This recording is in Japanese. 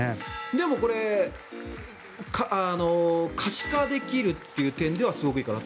でもこれ、可視化できるという点ではすごくいいかな。